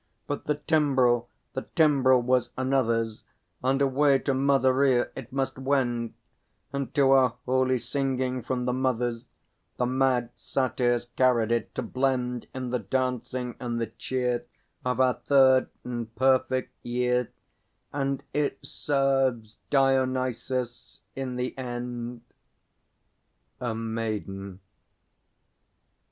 But the Timbrel, the Timbrel was another's, And away to Mother Rhea it must wend; And to our holy singing from the Mother's The mad Satyrs carried it, to blend In the dancing and the cheer Of our third and perfect Year; And it serves Dionysus in the end! _A Maiden.